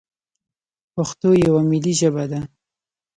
پښتو یوه ملي ژبه ده.